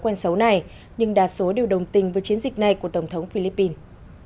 quen xấu này nhưng đa số đều đồng tình với chiến dịch này của tổng thống philippines